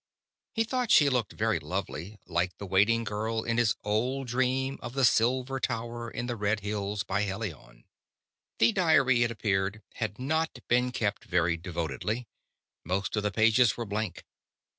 He thought she looked very lovely like the waiting girl in his old dream of the silver tower in the red hills by Helion. The diary, it appeared, had not been kept very devotedly. Most of the pages were blank.